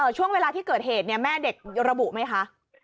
ช่วงเวลาที่เกิดเหตุแม่เด็กระบุไหมคะ